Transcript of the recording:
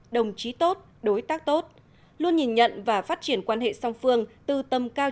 đồng chí tốt đối tác tốt luôn nhìn nhận và phát triển quan hệ song phương từ tâm cao